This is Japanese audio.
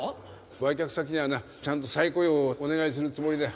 売却先にはなちゃんと再雇用をお願いするつもりだよ。